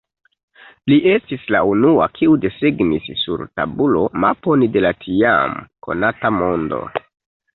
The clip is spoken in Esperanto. Li estis la unua, kiu desegnis sur tabulo mapon de la tiam konata mondo.